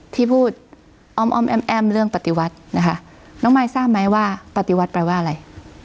ที่พูดอ้อมอ้อมแอ้มเรื่องปฏิวัตินะคะน้องมายทราบไหมว่าปฏิวัติแปลว่าอะไร